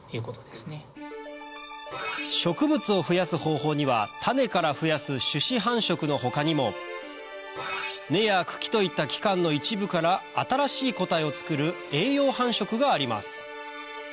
植物を増やす方法には種から増やす種子繁殖の他にも根や茎といった器官の一部から新しい個体を作る栄養繁殖があります